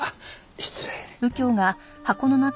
失礼。